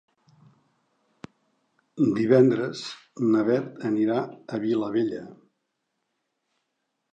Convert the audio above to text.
Divendres na Beth anirà a Vilabella.